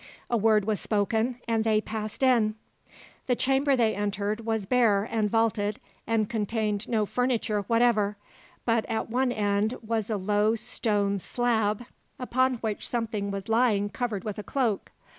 A word was spoken, and they passed in. The chamber they entered was bare and vaulted, and contained no furniture whatever, but at one end was a low stone slab, upon which something was lying covered with a cloak.